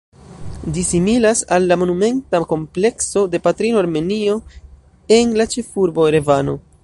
Ĝi similas al la monumenta komplekso de Patrino Armenio en la ĉefurbo Erevano.